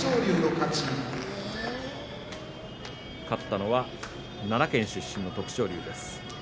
勝ったのは奈良県出身の徳勝龍です。